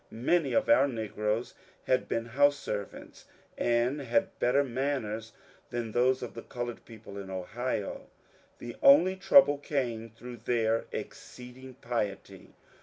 Many of our negroes had been house servants, and had better manners than most of the coloured people in Ohio. The only trouble came through their exceeding piety.